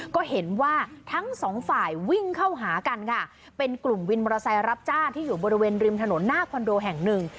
ก็เห็นว่าทั้งสองฝ่ายวิ่งเข้าหากันค่ะเป็นกลุ่มวินมอเตอร์ไซค์รับจ้างที่อยู่บริเวณริมถนนหน้าคอนโดแห่งหนึ่ง